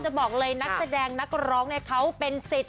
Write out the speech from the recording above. จะบอกเลยว่านักแสดงนักร้องจะเป็นสิทธิ์